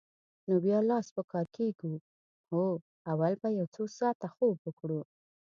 نو بیا لاس په کار کېږو؟ هو، اول به یو څو ساعته خوب وکړو.